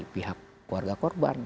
pihak keluarga korban